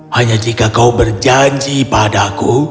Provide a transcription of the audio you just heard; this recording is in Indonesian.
hanya jika kau berjanji padaku